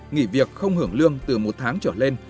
nghỉ việc không hưởng lương từ một tháng trở lên